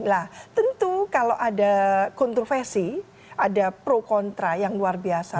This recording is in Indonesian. nah tentu kalau ada kontroversi ada pro kontra yang luar biasa